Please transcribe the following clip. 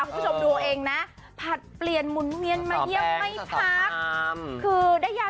หนูจะมาสนุกไปเยี่ยมเขา